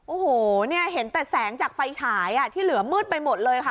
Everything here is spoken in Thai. โอ้โหเนี่ยเห็นแต่แสงจากไฟฉายที่เหลือมืดไปหมดเลยค่ะ